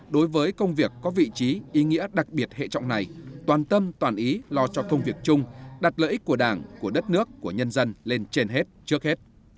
đối với công việc có vị trí ý nghĩa đặc biệt hệ trọng này toàn tâm toàn ý lo cho công việc chung đặt lợi ích của đảng của đất nước của nhân dân lên trên hết trước hết